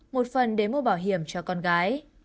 một phần để mua bảo hiểm cho con gái